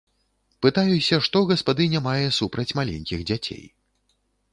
Пытаюся, што гаспадыня мае супраць маленькіх дзяцей.